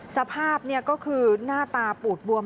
สภาพก็คือหน้าตาปูดบวม